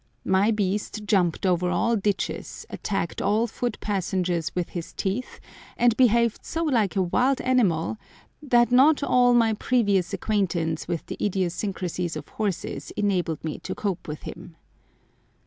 My beast jumped over all ditches, attacked all foot passengers with his teeth, and behaved so like a wild animal that not all my previous acquaintance with the idiosyncrasies of horses enabled me to cope with him.